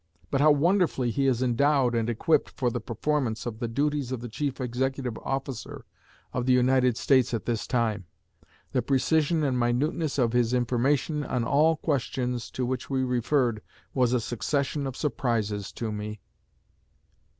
But how wonderfully he is endowed and equipped for the performance of the duties of the chief executive officer of the United States at this time! The precision and minuteness of his information on all questions to which we referred was a succession of surprises to me."